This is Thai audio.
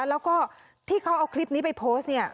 แล้วก็ที่เขาเอาคลิปนี้ไปโพสต์เนี่ย